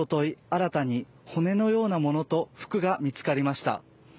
新たに骨のようなものと服が見つかりました